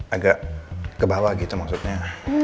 agak ke bawah gitu maksudnya